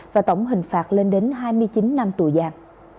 và tổng hình phạt lên đến hai mươi chín năm tù giam